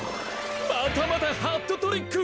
「またまた！ハットトリック！」。